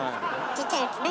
ちっちゃいやつね。